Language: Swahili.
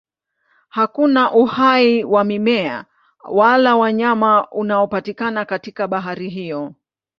Hakuna uhai wa mimea wala wanyama unaopatikana katika bahari hiyo.